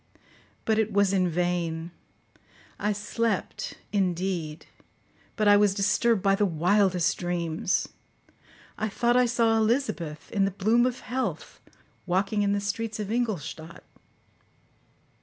But it was in vain; I slept, indeed, but I was disturbed by the wildest dreams. I thought I saw Elizabeth, in the bloom of health, walking in the streets of Ingolstadt.